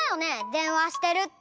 でんわしてるって。